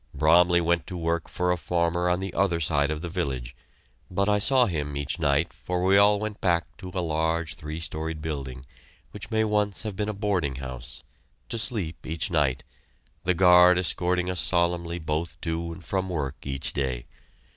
Bromley went to work for a farmer on the other side of the village, but I saw him each night, for we all went back to a large three storied building, which may once have been a boarding house, to sleep each night, the guard escorting us solemnly both to and from work each day.